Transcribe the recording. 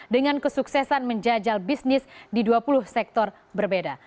dengan kesuksesan menjajal bisnis di dua puluh sektor berbeda